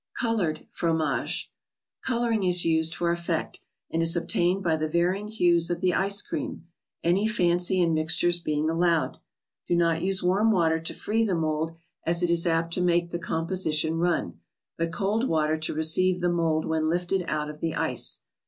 CotoreU <:< Ttonicigc0." Co, orin g > s used for " effect, and is ob¬ tained by the varying hues of the ice cream, any fancy in mixtures being allowed. Do not use warm water to free the mold, as it is apt to make the composition run, but cold water to receive the mold when lifted out of the ice.